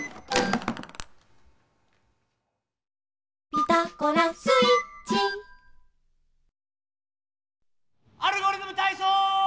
「ピタゴラスイッチ」「アルゴリズムたいそう」！